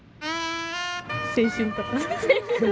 青春とか。